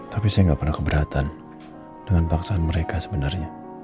tapi saya nggak pernah keberatan dengan paksaan mereka sebenarnya